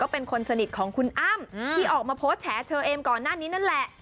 เป็นคนสนิทของคุณอ้ำที่ออกมาโพสต์แฉเชอเอมก่อนหน้านี้นั่นแหละ